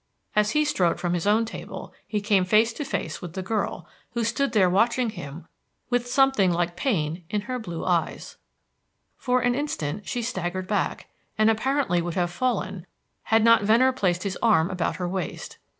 As he strode from his own table, he came face to face with the girl who stood there watching him with something like pain in her blue eyes. Just for an instant she staggered back, and apparently would have fallen had not Venner placed his arm about her waist.